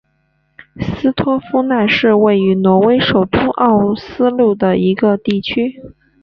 斯托夫奈是位于挪威首都奥斯陆的一个地区。